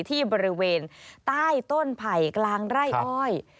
ที่บริเวณใต้ต้นไผ่กลางไร่อ้อย